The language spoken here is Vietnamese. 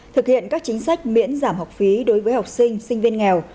thực hiện các chính sách miễn giảm học phí đối với học sinh sinh viên nghèo